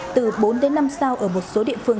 từ bốn năm sao ở một số địa phương